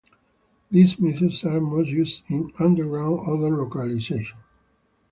These methods are most used in underground odor localization.